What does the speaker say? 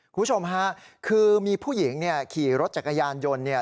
คุณผู้ชมฮะคือมีผู้หญิงเนี่ยขี่รถจักรยานยนต์เนี่ย